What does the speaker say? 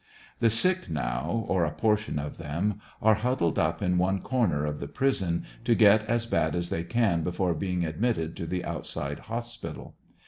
The sick now, or a portion of them, are huddled up in one corner of the prison, to get as bad as they can before being admitted to the outside hbs pital.